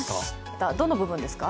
どの部分ですか？